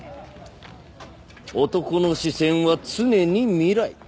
男の視線は常に未来。